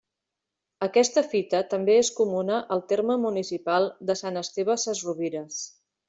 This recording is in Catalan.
Aquesta fita també és comuna al terme municipal de Sant Esteve Sesrovires.